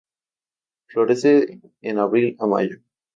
Florece en abril a mayo.